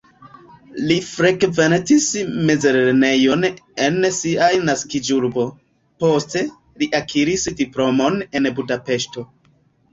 Li frekventis mezlernejon en sia naskiĝurbo, poste li akiris diplomon en Budapeŝto.